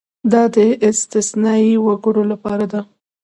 دا د استثنايي وګړو لپاره ده.